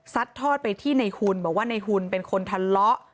ทอดไปที่ในหุ่นบอกว่าในหุ่นเป็นคนทะเลาะ